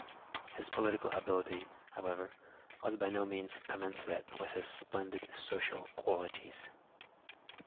His political ability, however, was by no means commensurate with his splendid social qualities.